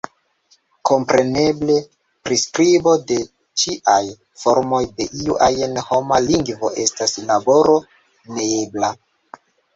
Kompreneble, priskribo de ĉiaj formoj de iu ajn homa lingvo estas laboro neebla.